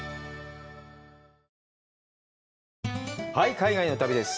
海外の旅です。